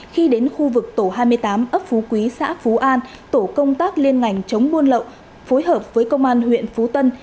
khi đến khu vực tổ hai mươi tám ấp phú quý xã phú an tổ công tác liên ngành chống buôn lậu phối hợp với công an huyện phú tân